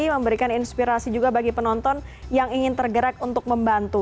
memberikan inspirasi juga bagi penonton yang ingin tergerak untuk membantu